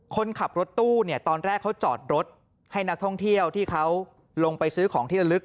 คนขับรถตู้เนี่ยตอนแรกเขาจอดรถให้นักท่องเที่ยวที่เขาลงไปซื้อของที่ละลึก